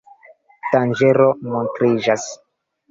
Danĝero montriĝas.